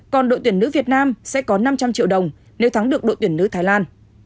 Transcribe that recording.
còn đội tuyển nữ việt nam sẽ có năm trăm linh triệu đồng nếu thắng được đội tuyển nữ thái lan